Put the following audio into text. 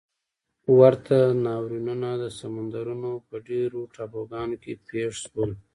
ورته ناورینونه د سمندرونو په ډېرو ټاپوګانو کې پېښ شول.